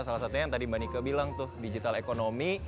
salah satunya yang tadi mbak nike bilang tuh digital ekonomi